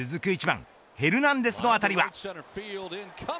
１番ヘルナンデスの当たりは。